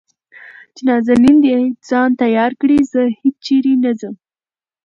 چې نازنين د ځان تيار کړي زه هېچېرې نه ځم .